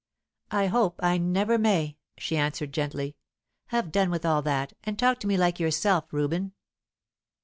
"I hope I never may," she answered gently. "Have done with all that, and talk to me like yourself, Reuben."